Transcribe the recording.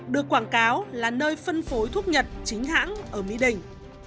được quảng cáo là nơi phân phối thuốc nhật chính hãng ở mỹ đình